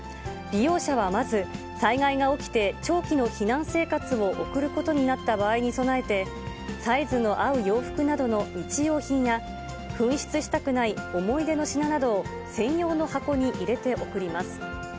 利用者はまず、災害が起きて、長期の避難生活を送ることになった場合に備えて、サイズの合う洋服などの日用品や、紛失したくない思い出の品などを専用の箱に入れて送ります。